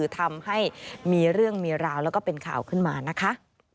ทำให้มีเรื่องมีราวแล้วก็เป็นข่าวขึ้นมานะคะ